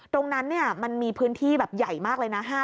ตรงนั้นมันมีพื้นที่แบบใหญ่มากเลยนะ